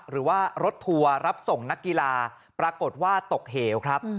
หรือว่ารถทัวร์รับส่งนักกีฬาปรากฏว่าตกเหวครับ